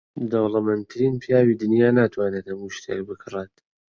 دەوڵەمەندترین پیاوی دنیا ناتوانێت هەموو شتێک بکڕێت.